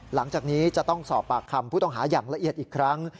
หลังจากนี้จะต้องสอบปากคำผู้ต้องหาอย่างละเอียดอีกครั้ง